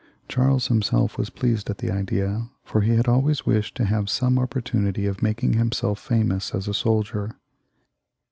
Charles him self was pleased at the idea, for he had always wished to have some opportunity of making himself famous ^ias a soldier.